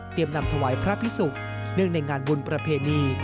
เตรียมนำถวายพระพิศุกร์เนื่องในงานบุญประเพณี